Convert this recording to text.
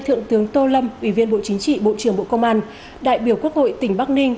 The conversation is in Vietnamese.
thượng tướng tô lâm ủy viên bộ chính trị bộ trưởng bộ công an đại biểu quốc hội tỉnh bắc ninh